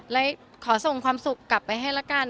ขอส่งความสุขกลับไปให้ละกัน